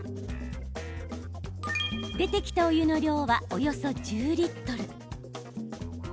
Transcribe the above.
出てきたお湯の量はおよそ１０リットル。